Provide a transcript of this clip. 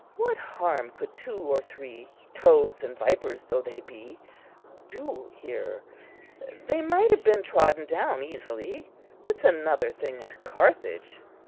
What harm could two or three, toads and vipers though they be, do here? They might have been trodden down easily. It's another thing at Carthage.